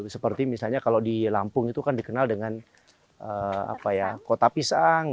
seperti misalnya kalau di lampung itu kan dikenal dengan kota pisang